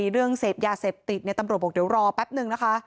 เรื่องเสพยาเสพติดตำรวจบอกเดี๋ยวรอแป๊บนึงนะคะ